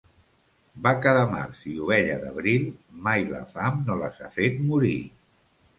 Vaca de març i ovella d'abril, mai la fam no les ha fet morir.